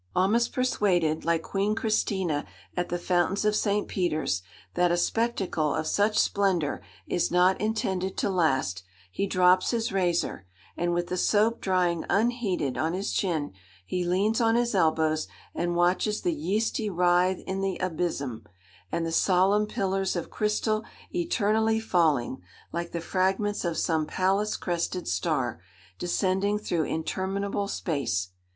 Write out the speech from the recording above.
Almost persuaded, like Queen Christina at the fountains of St. Peter's, that a spectacle of such splendour is not intended to last, he drops his razor, and with the soap drying unheeded on his chin, he leans on his elbows, and watches the yeasty writhe in the abysm, and the solemn pillars of crystal eternally falling, like the fragments of some palace crested star, descending through interminable space.